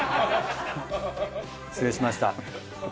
失礼しました。